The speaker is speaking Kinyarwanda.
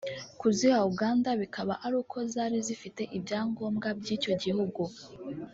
kuziha Uganda bikaba ari uko zari zifite ibyangombwa by’icyo gihugu